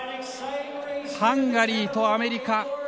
ハンガリーとアメリカ。